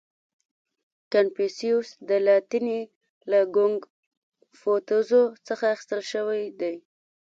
• کنفوسیوس د لاتیني له کونګ فو تزو څخه اخیستل شوی دی.